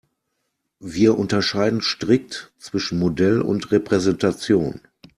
Wir unterscheiden strikt zwischen Modell und Repräsentation.